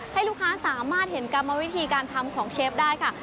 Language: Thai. ให้ลูกค้าสามารถเห็นกรรมวิธีการทำของเชฟได้ค่ะ